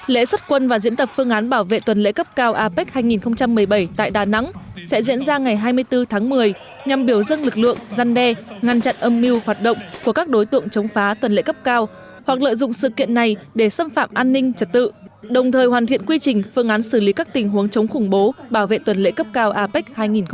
lễ xuất quân và diễn tập phương án bảo vệ tuần lễ cấp cao apec hai nghìn một mươi bảy tại đà nẵng sẽ diễn ra ngày hai mươi bốn tháng một mươi nhằm biểu dưng lực lượng gian đe ngăn chặn âm mưu hoạt động của các đối tượng chống phá tuần lễ cấp cao hoặc lợi dụng sự kiện này để xâm phạm an ninh trật tự đồng thời hoàn thiện quy trình phương án xử lý các tình huống chống khủng bố bảo vệ tuần lễ cấp cao apec hai nghìn một mươi bảy